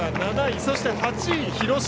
そして８位に広島。